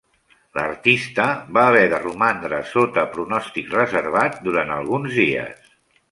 L'artista va haver de romandre sota pronòstic reservat durant alguns dies.